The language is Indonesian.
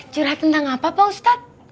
curah tentang apa pak ustadz